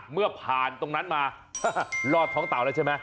เมื่อผ่านตรงนั้นมารอดท้องเตาแล้วใช่ไหม